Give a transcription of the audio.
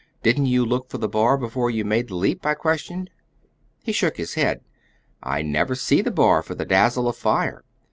"Didn't you look for the bar before you made the leap?" I questioned. He shook his head. "I never see the bar for the dazzle of fire.